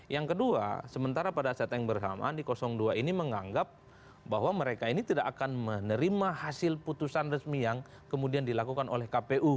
yang kedua sementara pada saat yang bersamaan di dua ini menganggap bahwa mereka ini tidak akan menerima hasil putusan resmi yang kemudian dilakukan oleh kpu